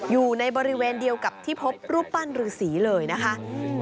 อยู่ในบริเวณเดียวกับที่พบรูปปั้นรือสีเลยนะคะอืม